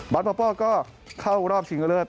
บาร์ดปอปอร์ก็เข้ารอบชิงเกอร์เลิศ